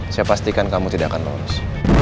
saya pastikan kamu tidak akan lolos